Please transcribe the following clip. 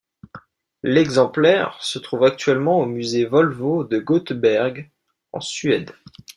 L'exemplaire se trouve actuellement au musée Volvo de Göteborg en Suède.